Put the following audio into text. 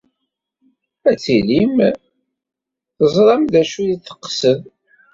Ad tilim teẓram d acu ay d-teqsed.